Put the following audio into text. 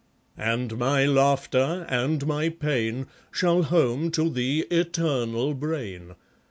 And my laughter, and my pain, Shall home to the Eternal Brain.